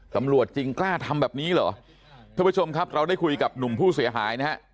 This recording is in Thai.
ตำรวจจริงกล้าทำแบบนี้หรออ่ะทุกประชาชนะครับเราได้คุยกับหนุ่งผู้เสียหายนะ